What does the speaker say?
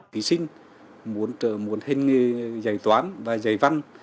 thí sinh muốn trở một hình dạy toán và dạy văn